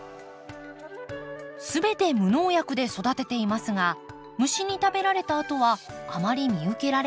全て無農薬で育てていますが虫に食べられたあとはあまり見受けられません。